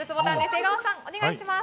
江川さん、お願いします。